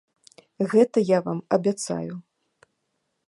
Гэта я вам абяцаю.